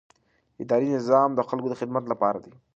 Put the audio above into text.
اداري نظام د خلکو د خدمت لپاره دی.